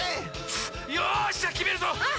よっしゃきめるぞ！